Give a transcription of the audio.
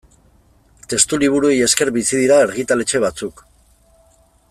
Testuliburuei esker bizi dira argitaletxe batzuk.